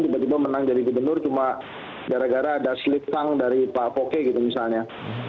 tiba tiba menang jadi gubernur cuma gara gara ada slip sang dari pak poke gitu misalnya